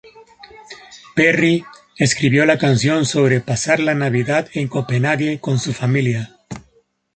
Perry escribió la canción sobre pasar la Navidad en Copenhague con su familia.